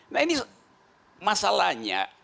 nah ini masalahnya